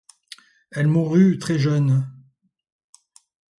Elle mourut très jeune.